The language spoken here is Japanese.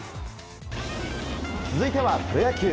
続いてはプロ野球。